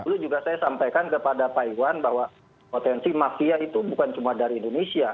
lalu juga saya sampaikan kepada pak iwan bahwa potensi mafia itu bukan cuma dari indonesia